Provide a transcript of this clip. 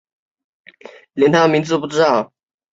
连他的名字都不知道